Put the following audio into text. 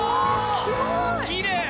きれい！